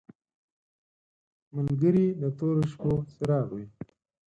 ملګری د تورو شپو څراغ وي.